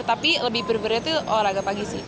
tapi lebih berat itu olahraga pagi sih